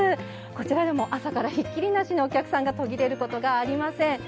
こちら、朝からひっきりなしにお客さんが途絶えることはありません。